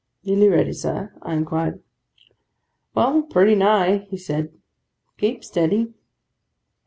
'Nearly ready, sir?' I inquired. 'Well, pretty nigh,' he said; 'keep steady.